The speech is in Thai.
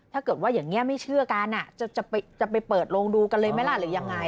ถ้าเกิดว่าอย่างนี้ไม่เชื่อกันจะไปเปิดโรงดูกันเลยไหมล่ะหรือยังไง